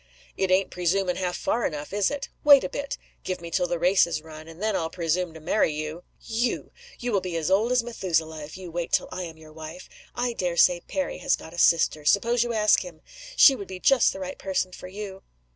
"It ain't presuming half far enough, is it? Wait a bit. Give me till the race is run and then I'll presume to marry you." "You! You will be as old as Methuselah, if you wait till I am your wife. I dare say Perry has got a sister. Suppose you ask him? She would be just the right person for you."